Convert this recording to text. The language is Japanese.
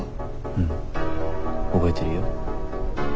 うん覚えてるよ。